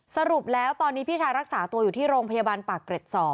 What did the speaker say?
สรุปแล้วตอนนี้พี่ชายรักษาตัวอยู่ที่โรงพยาบาลปากเกร็ด๒